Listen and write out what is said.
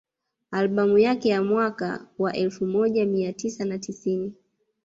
Albamu yake ya mwaka wa elfu moja mia tisa na tisini